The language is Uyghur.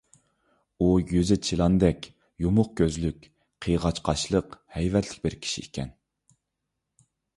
ئۇ يۈزى چىلاندەك، يۇمۇق كۆزلۈك، قىيغاچ قاشلىق، ھەيۋەتلىك بىر كىشى ئىكەن.